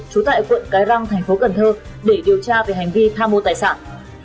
trú tại quận cái răng thành phố cần thơ để điều tra về hành vi tha mua tài sản